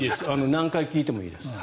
何回聞いてもいいです。